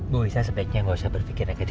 bu isah sebaiknya gak usah berpikir negatif dulu bu